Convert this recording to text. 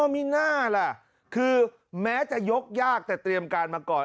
มีน่าล่ะคือแม้จะยกยากแต่เตรียมการมาก่อน